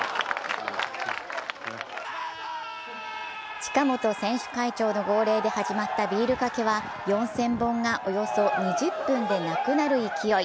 近本選手会長の号令で始まったビールかけは、４０００本がおよそ２０分でなくなる勢い。